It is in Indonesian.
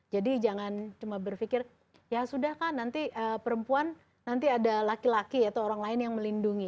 jadi jangan cuma berpikir ya sudah kan nanti perempuan nanti ada laki laki atau orang lain yang melindungi